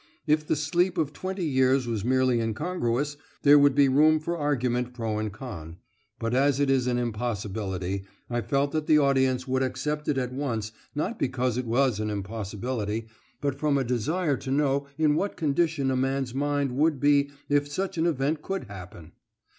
If the sleep of twenty years was merely incongruous, there would be room for argument pro and con; but as it is an impossibility, I felt that the audience would accept it at once, not because it was an impossibility, but from a desire to know in what condition a man's mind would be if such an event could happen.